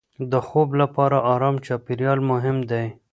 د خوب لپاره ارام چاپېریال مهم دی.